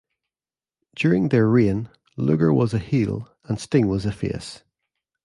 During their reign, Luger was a heel and Sting was a face.